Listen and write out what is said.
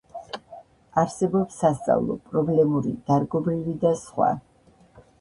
არსებობს სასწავლო, პრობლემური, დარგობრივი და სხვა.